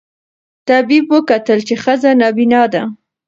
طبیب وکتل چي ښځه نابینا ده